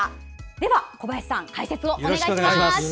では、小林さん解説をお願いします。